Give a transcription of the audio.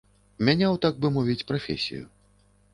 Мяняў, так бы мовіць, прафесію.